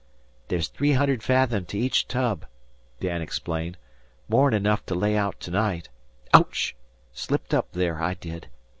"There's three hundred fathom to each tub," Dan explained; "more'n enough to lay out to night. Ouch! 'Slipped up there, I did."